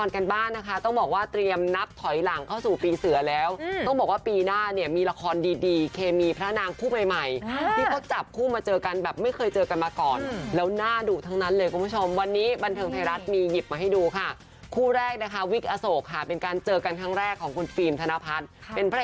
กันบ้างนะคะต้องบอกว่าเตรียมนับถอยหลังเข้าสู่ปีเสือแล้วต้องบอกว่าปีหน้าเนี่ยมีละครดีดีเคมีพระนางคู่ใหม่ใหม่ที่เขาจับคู่มาเจอกันแบบไม่เคยเจอกันมาก่อนแล้วหน้าดุทั้งนั้นเลยคุณผู้ชมวันนี้บันเทิงไทยรัฐมีหยิบมาให้ดูค่ะคู่แรกนะคะวิกอโศกค่ะเป็นการเจอกันครั้งแรกของคุณฟิล์มธนพัฒน์เป็นพระ